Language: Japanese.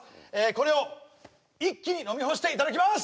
これを一気に飲み干していただきます！